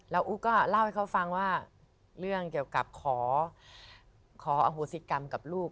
แล้วอุ๊ก็เล่าให้เขาฟังว่าเรื่องเกี่ยวกับขออโหสิกรรมกับลูก